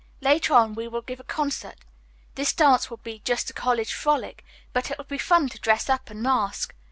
Later on we will give a concert. This dance will be just a college frolic, but it will be fun to dress up and mask.